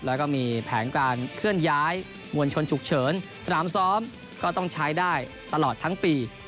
แล้วก็มีแผนการเคลื่อนย้ายมวลชนฉุกเฉินสนามซ้อมก็ต้องใช้ได้ตลอดทั้งปี